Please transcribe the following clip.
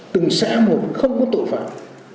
từng xã một không có tội phạm